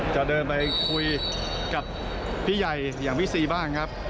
จะเดินไปคุยกับพี่ใหญ่อย่างพี่ซีบ้างครับ